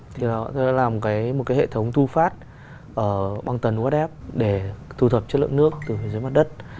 thì đó là một cái hệ thống thu phát bằng tần urf để thu thập chất lượng nước từ dưới mặt đất